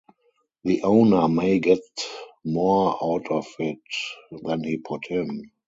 The owner may get more out of it than he put in.